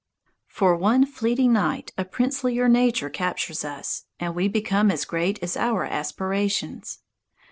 For one fleeting night a princelier nature captures us, and we become as great as our aspirations.